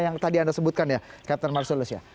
yang tadi anda sebutkan ya captain marcelus ya